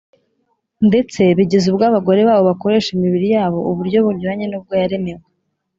ndetse bigeza ubwo abagore babo bakoresha imibiri yabo uburyo bunyuranye n’ubwo yaremewe.